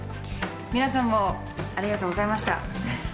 皆さんもありがとうございました。